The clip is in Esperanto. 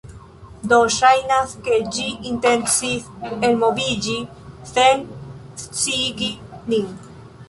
do ŝajnas, ke ĝi intencis elmoviĝi sen sciigi nin.